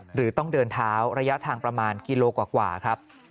หรือต้องเดินเท้าระยะทางประมาณกิโลกว่าครับ